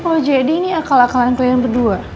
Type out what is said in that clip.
oh jadi ini akal akalan kalian berdua